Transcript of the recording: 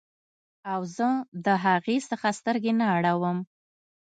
او زه د هغې څخه سترګې نه اړوم